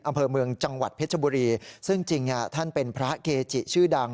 อำเภอเมืองจังหวัดเพชรบุรีซึ่งจริงท่านเป็นพระเกจิชื่อดัง